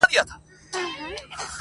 که وچ لرګی ومه وچ پوست او څو نري تارونه.